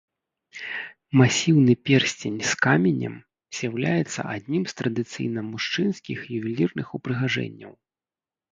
Масіўны персцень з каменем з'яўляецца адным з традыцыйна мужчынскіх ювелірных упрыгажэнняў.